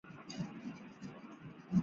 利莱梅。